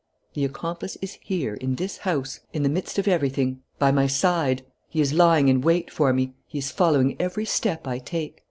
"The accomplice is here, in this house, in the midst of everything, by my side. He is lying in wait for me. He is following every step I take.